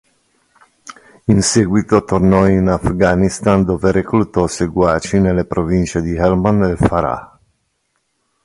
In seguito tornò in Afghanistan dove reclutò seguaci nelle province di Helmand e Farah.